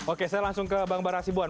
oke saya langsung ke bang bara sibuan